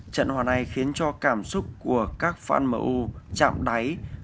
trận hòa này khiến cho cảm xúc của các fan mẫu chạm đáy